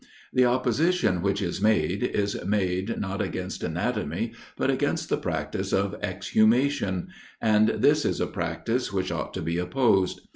The opposition which is made, is made not against anatomy, but against the practice of exhumation: and this is a practice which ought to be opposed.